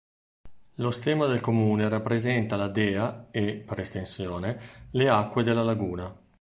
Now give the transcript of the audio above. Lo stemma del comune rappresenta la dea e, per estensione, le acque della laguna.